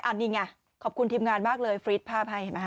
อันนี้ไงขอบคุณทีมงานมากเลยฟรีดภาพให้เห็นไหมฮ